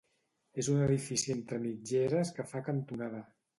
És un edifici entre mitgeres que fa cantonada.